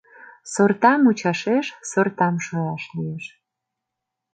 Сорта мучашеш сортам шуяш лиеш